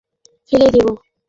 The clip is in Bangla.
তাকে কি ছুঁড়ে ফেলে দিব?